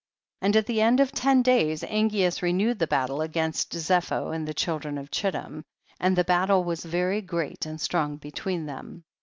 31. And at the end of ten days Angeas renewed the battle against Zepho and the children of Chittim, and the battle was very great and strong between them.